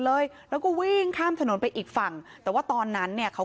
เลยแล้วก็วิ่งข้ามถนนไปอีกฝั่งแต่ว่าตอนนั้นเนี่ยเขา